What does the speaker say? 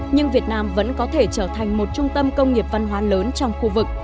nhưng việt nam vẫn có thể trở thành một trung tâm công nghiệp văn hóa lớn trong khu vực